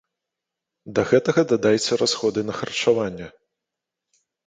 Да гэтага дадайце расходы на харчаванне.